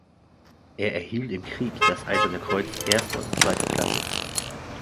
Er erhielt im Krieg das Eiserne Kreuz erster und zweiter Klasse.